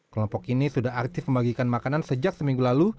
kelompok ini sudah aktif membagikan makanan sejak seminggu lalu